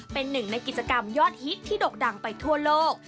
เป็นหนึ่งในกิจกรรมยอดฮิตที่ดกดังไปทั่วโลก